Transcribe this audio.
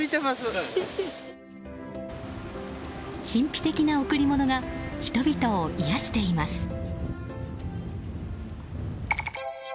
神秘的な贈り物が人々を癒やしています。